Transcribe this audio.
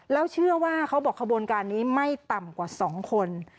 แล้วเชื่อว่าเขาบอกขบวนการนี้ไม่ต่ำกว่า๒คน